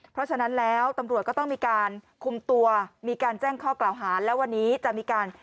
เพราะฉะนั้นแล้วตำรวจก็ต้องมีการคุมตัวมีการแจ้งข้อกล่าวหาแล้ววันนี้จะมีการ